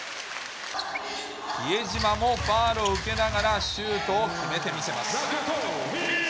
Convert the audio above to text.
比江島もファウルを受けながら、シュートを決めてみせます。